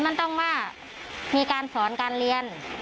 มันต้องว่ามีการสอนการเรียน